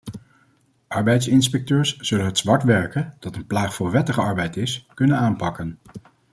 Arbeidsinspecteurs zullen het zwart werken, dat een plaag voor wettige arbeid is, kunnen aanpakken.